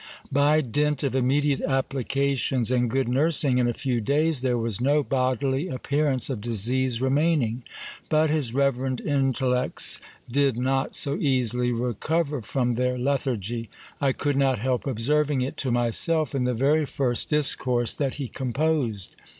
By dint of immediate applications and good nursing, in a few days there was no bodily appearance of disease re maining. But his reverend intellects did not so easily recover from their lethargy. I could not help observing it to myself in the very first discourse that he composed.